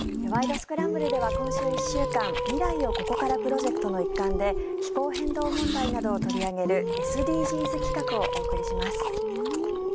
スクランブル」では今週１週間未来をここからプロジェクトの一環で気候変動問題などを取り上げるＳＤＧｓ企画をお送りします。